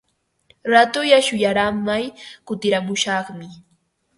Raatulla shuyaaramay kutiramushaqmi.